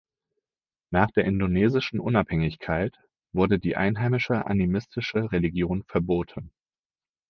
Nach der indonesischen Unabhängigkeit wurde die einheimische, animistische Religion verboten.